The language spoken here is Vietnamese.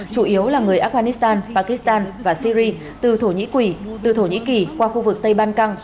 chủ yếu là người afghanistan pakistan và syri từ thổ nhĩ kỳ qua khu vực tây ban căng